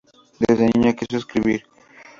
Desde niña quiso escribir.